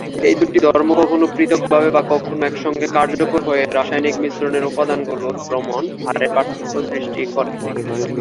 এই দুটি ধর্ম কখনো পৃথকভাবে বা কখনো একসঙ্গে কার্যকর হয়ে রাসায়নিক মিশ্রণের উপাদানগুলোর ভ্রমণ হারের পার্থক্য সৃষ্টি করে।